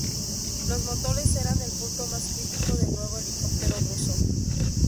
Los motores eran el punto más crítico del nuevo helicóptero ruso.